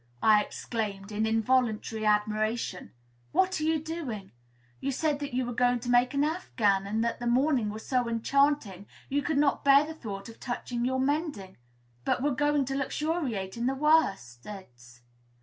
I exclaimed, in involuntary admiration; "what are you doing?" You said that you were going to make an affghan, and that the morning was so enchanting you could not bear the thought of touching your mending, but were going to luxuriate in the worsteds.